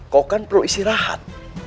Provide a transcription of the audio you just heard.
kau kan perlu istirahat